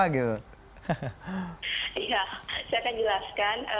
iya saya akan jelaskan